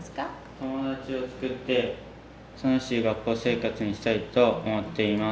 友達を作って楽しい学校生活にしたいと思っています。